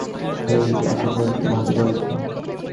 হেই, এখন পর্যন্ত ভালোই করেছো।